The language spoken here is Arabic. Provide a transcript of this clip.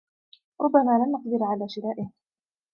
ربما لن نقدر على شرائه.